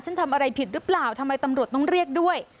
ทำอะไรผิดหรือเปล่าทำไมตำรวจต้องเรียกด้วย